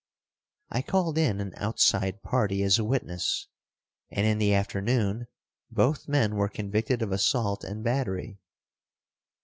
I called in an outside party as a witness, and in the afternoon both men were convicted of assault and battery.